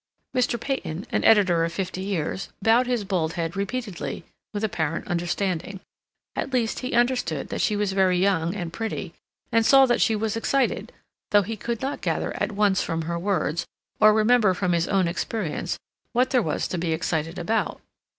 Mr. Peyton, an editor of fifty years, bowed his bald head repeatedly, with apparent understanding. At least, he understood that she was very young and pretty, and saw that she was excited, though he could not gather at once from her words or remember from his own experience what there was to be excited about.